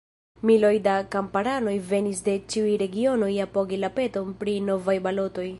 Miloj da kamparanoj venis de ĉiuj regionoj apogi la peton pri novaj balotoj.